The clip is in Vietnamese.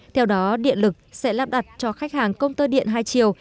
theo đó điện lực sẽ lắp đặt cho khách hàng công tơ điện hai chiều